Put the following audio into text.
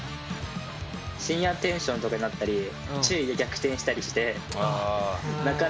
深夜テンションとかになったり昼夜逆転したりしてなかなか。